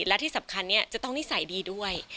และที่สำคัญจะต้องนิสัยดีด้วย